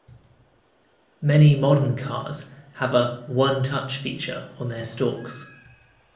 Many modern cars have a "one-touch" feature on their stalks.